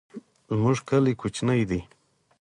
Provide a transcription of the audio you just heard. زمونږ کلی کوچنی دی